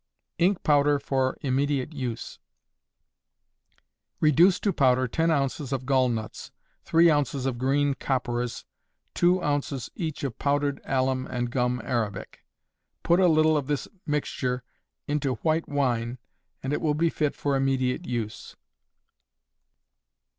Ink Powder for Immediate Use. Reduce to powder ten ounces of gall nuts, three ounces of green copperas, two ounces each of powdered alum and gum arabic. Put a little of this mixture into white wine, and it will be fit for immediate use.